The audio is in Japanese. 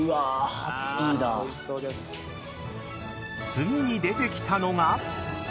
［次に出てきたのが］